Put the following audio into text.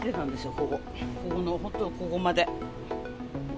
ここの本当、ここまで。